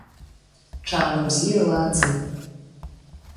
Ҽааныбзиала, аӡын!